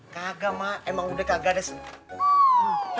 kagak mak emang udah kagak